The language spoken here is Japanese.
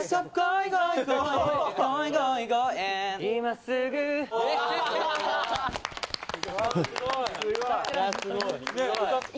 すごい。